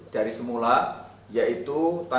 dari setiap hari yang diperlukan